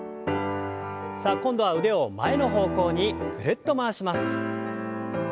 さあ今度は腕を前の方向にぐるっと回します。